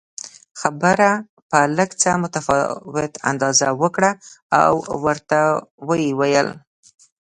خبره په لږ څه متفاوت انداز وکړه او ورته ویې ویل